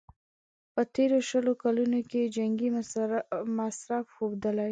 په تېرو شلو کلونو کې یې جنګي مصرف ښودلی.